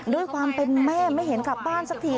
ด้วยความเป็นแม่ไม่เห็นกลับบ้านสักที